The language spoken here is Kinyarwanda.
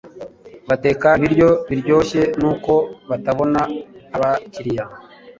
Bateka ibiryo biryoshye nuko batabona abakiriya